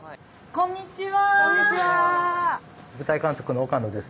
こんにちは。